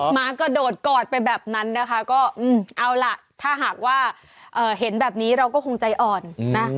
หมากระโดดกอดไปแบบนั้นนะคะก็เอาล่ะถ้าหากว่าเห็นแบบนี้เราก็คงใจอ่อนนะ